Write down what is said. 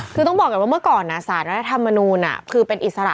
คือต้องบอกกันว่าเมื่อก่อนนะศาสตร์และธรรมนูญคือเป็นอิสระ